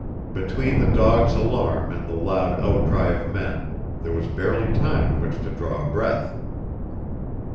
Between the dog's alarm and the loud outcry of men there was barely time in which to draw a breath.